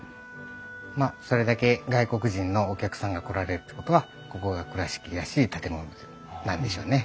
まあそれだけ外国人のお客さんが来られるってことはここが倉敷らしい建物なんでしょうね。